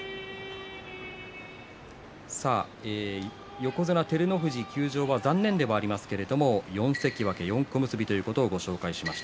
横綱照ノ富士休場は残念ではありますけれども４関脇４小結ということをご紹介しました。